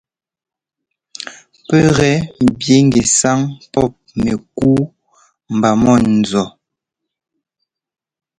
Pɛ́ gɛ ḿbi ŋgɛsáŋ pɔ́p mɛkúu mba mɔ̂nzu.